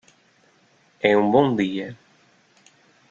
É um bom dia.